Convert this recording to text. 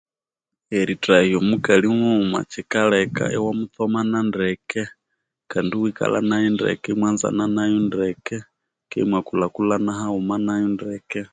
Erithahya omukali mughuma kyikaleka iwamutsomana ndeke Kandi iwikalha nayu ndeke imwanzana nayu ndeeke Kandi imwakulhakulhana ndeke